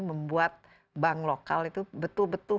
membuat bank lokal itu betul betul